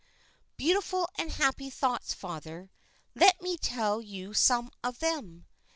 "Beautiful and happy thoughts, father; let me tell you some of them.